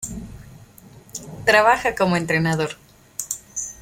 Trabaja como entrenador.